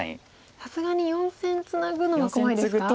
さすがに４線ツナぐのは怖いですか？